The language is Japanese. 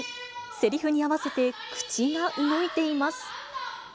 せりふに合わせて、口が動いています。